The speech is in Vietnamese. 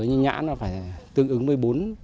nhãn nó phải tương ứng với